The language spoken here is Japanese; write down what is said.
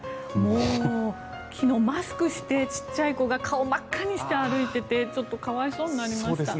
昨日、マスクしてちっちゃい子が顔を真っ赤にして歩いててちょっと可哀想になりました。